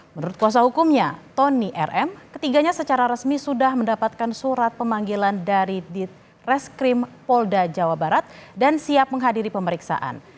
menurut kuasa hukumnya tony rm ketiganya secara resmi sudah mendapatkan surat pemanggilan dari ditreskrim polda jawa barat dan siap menghadiri pemeriksaan